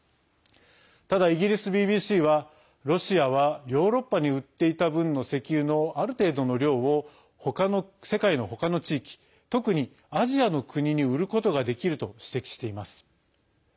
ただ、イギリスＢＢＣはロシアは、ヨーロッパに売っていた分の石油のある程度の量を世界のほかの地域、特にアジアの国に売ることができると指摘しています。